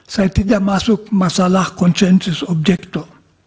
saya tidak masuk masalah konsensus objekto